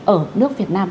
ở nước việt nam